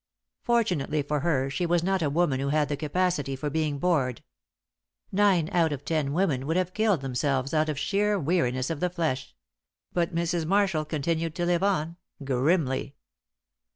Fortunately for her, she was not a woman who had the capacity for being bored. Nine out of ten women would have killed themselves out of sheer weariness of the flesh; but Mrs. Marshall continued to live on grimly.